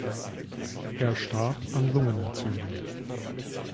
Er starb an Lungenentzündung.